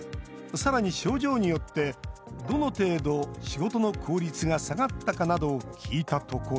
さらに症状によって、どの程度仕事の効率が下がったかなどを聞いたところ。